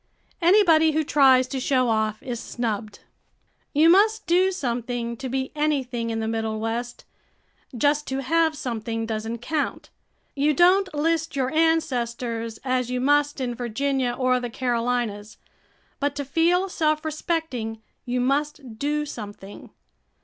Anybody who tries to show off is snubbed. You must do something to be anything in the Middle West; just to have something doesn't count. You don't list your ancestors as you must in Virginia or the Carolinas, but to feel self respecting you must do something.